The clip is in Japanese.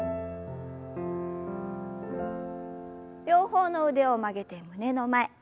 両方の腕を曲げて胸の前。